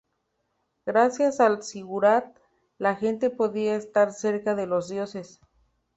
Gracias al zigurat, la gente podía estar cerca de los dioses.